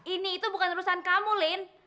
ini itu bukan urusan kamu line